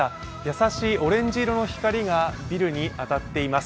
優しいオレンジ色の光がビルに当たっています。